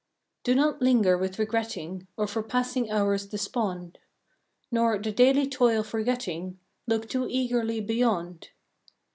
Do not linger with regretting, Or for passing hours despond ; Nor, the daily toil forgetting, Look too eagerly beyond.